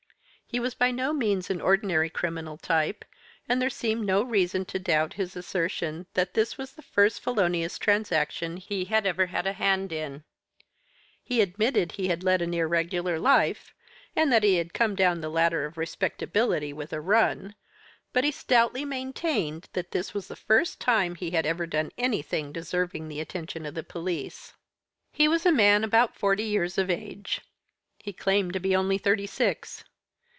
He was by no means an ordinary criminal type, and there seemed no reason to doubt his assertion that this was the first felonious transaction he had ever had a hand in. He admitted he had led an irregular life, and that he had come down the ladder of respectability with a run, but he stoutly maintained that this was the first time he had ever done anything deserving the attention of the police. "He was a man about forty years of age; he claimed to be only thirty six.